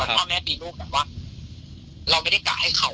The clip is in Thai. ค่ะพ่อแม่ตีลูกอ่ะว่าเราไม่ได้กล่าวให้เขาอ่ะ